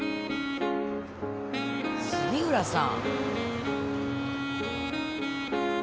杉浦さん！